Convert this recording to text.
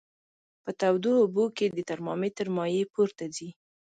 په تودو اوبو کې د ترمامتر مایع پورته ځي.